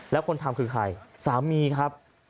แล้วคนทำคือใครสามีครับ